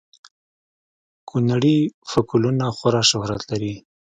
کونړي فکولونه خورا شهرت لري